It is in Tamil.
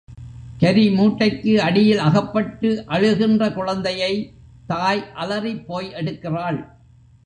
கரி மூட்டைக்கு அடியில் அகப்பட்டு அழுகின்ற குழந்தையைத் தாய் அலறிப் போய் எடுக்கிறாள்.